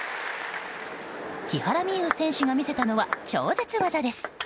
木原美悠選手が見せたのは超絶技です。